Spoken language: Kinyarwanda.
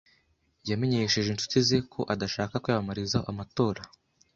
Yamenyesheje inshuti ze ko adashaka kwiyamamariza amatora.